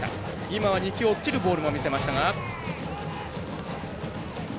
今は２球、落ちるボールも見せましたが。